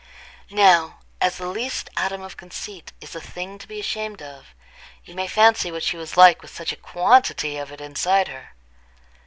Now as the least atom of conceit is a thing to be ashamed of, you may fancy what she was like with such a quantity of it inside her!